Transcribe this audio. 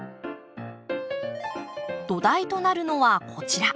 土台となるのはこちら。